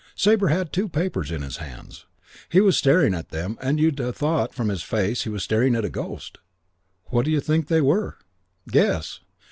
"Sabre had two papers in his hands. He was staring at them and you'd ha' thought from his face he was staring at a ghost. What d'you think they were? Guess.